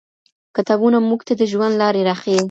کتابونه موږ ته د ژوند لاري راښيي.